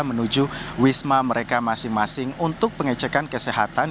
menuju wisma mereka masing masing untuk pengecekan kesehatan